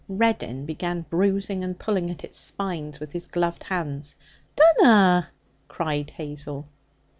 Reddin began bruising and pulling at its spines with his gloved hands. 'Dunna!' cried Hazel.